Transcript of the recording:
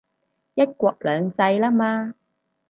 一國兩制喇嘛